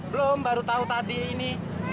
belum baru tahu tadi ini